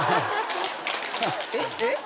えっ？えっ？